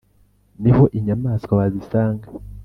ni ho inyamaswa wazisanga